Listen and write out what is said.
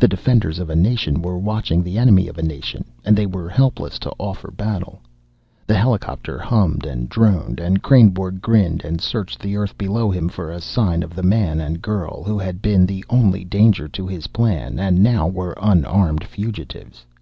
The defenders of a nation were watching the enemy of a nation, and they were helpless to offer battle. The helicopter hummed and droned, and Kreynborg grinned and searched the earth below him for a sign of the man and girl who had been the only danger to his plan and now were unarmed fugitives.